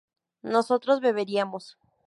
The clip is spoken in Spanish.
nosotros beberíamos